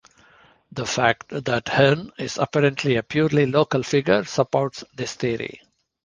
The fact that Herne is apparently a purely local figure supports this theory.